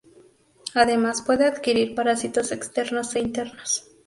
Además puede adquirir parásitos externos e internos.